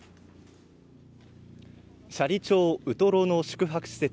斜里町ウトロの宿泊施設